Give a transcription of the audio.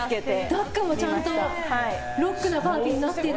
ダックも、ちゃんとロックな感じになってる。